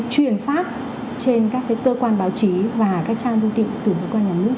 truyền phát trên các cái cơ quan báo chí và các trang thông tin từ cơ quan nhà nước